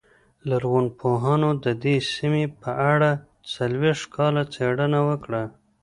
لرغونپوهانو د دې سیمې په اړه څلوېښت کاله څېړنه وکړه